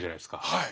はい。